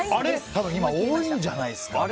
多分今多いんじゃないんですか。